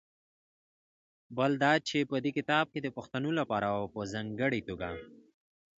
بل دا چې په دې کتاب کې د پښتنو لپاره او په ځانګړې توګه